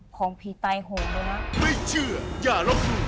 แกครับ